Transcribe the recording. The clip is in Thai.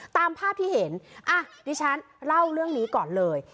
ตามภาพที่เห็นอ่ะดิฉันเล่าเรื่องนี้ก่อนเลย